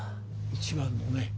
一番のね